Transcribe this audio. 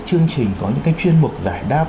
chương trình có những cái chuyên mục giải đáp